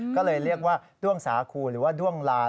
ก็เลยเรียกว่าด้วงสาคูหรือว่าด้วงลาน